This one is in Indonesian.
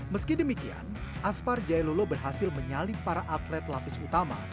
meski demikian aspar jailolo berhasil menyalip para atlet lapis utama